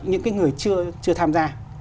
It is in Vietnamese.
những cái người chưa tham gia